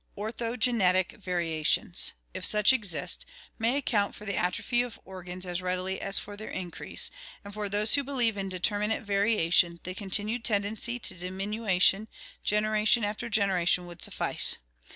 Orthogenetic variations, if such exist, may account for the atrophy of organs as readily as for their increase, and for those who believe in determinate variation, the continued tendency to diminu tion, generation after generation, would suffice.